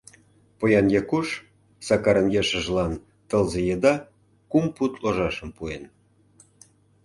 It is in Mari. Поян Якуш Сакарын ешыжлан тылзе еда кум пуд ложашым пуэн.